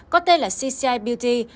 có tên là cci beauty